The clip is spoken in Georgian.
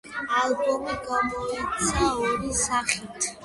ალბომი გამოიცა ორი სახით.